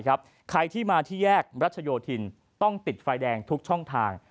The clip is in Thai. ใครที่มาที่แยกรัชโยธินต้องติดไฟแดงทุกช่องทาง